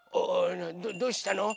どうしたの？